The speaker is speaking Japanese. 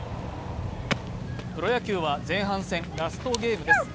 プロ野球は前半戦ラストゲームです。